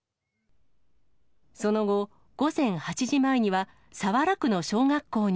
その後、午前８時前には早良区の小学校に。